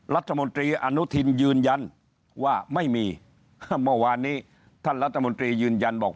รัฐมนตรีอนุทินยืนยันว่าไม่มีเมื่อวานนี้ท่านรัฐมนตรียืนยันบอก